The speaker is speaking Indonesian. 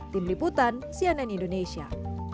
tim liputan cnn indonesia